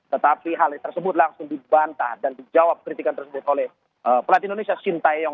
tetapi hal tersebut langsung dibantah dan dijawab kritikan tersebut oleh pelatih indonesia sintayong